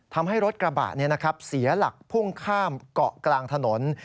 ทำให้รถกระบะเสียหลักพุ่งข้ามเกาะกลางถนน